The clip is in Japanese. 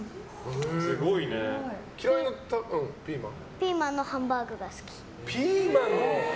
ピーマンのハンバーグが好き。